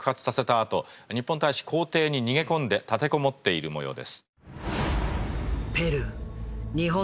あと日本大使公邸に逃げ込んで立てこもっている模様です。